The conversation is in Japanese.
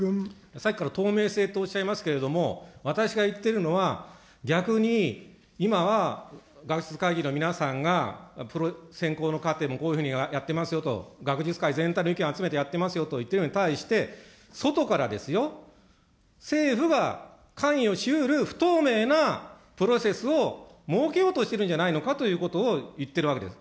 さっきから透明性とおっしゃいますけれども、私が言っているのは、逆に今は学術会議の皆さんが、選考の過程もこういうふうにやってますよと、学術会議全体の意見を集めてやってますよと言っているのに対して、外からですよ、政府が関与しうる不透明なプロセスを設けようとしてるんじゃないのかということを言ってるわけです。